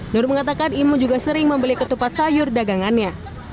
nur mengatakan imam juga sering membeli ketupat sayur dagangannya